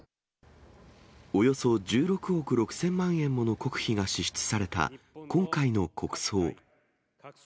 およそ１６億６０００万円もの国費が支出された今回の国葬。